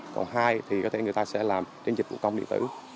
còn hai thì có thể người ta sẽ làm trên dịch vụ công điện tử